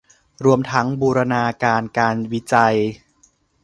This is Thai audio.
รวมทั้งบูรณาการการวิจัย